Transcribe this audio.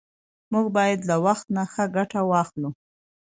موږ باید له وخت نه ښه ګټه واخلو